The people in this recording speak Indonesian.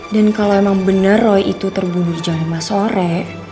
dan kalau emang bener roy itu terbunuh di jam lima sore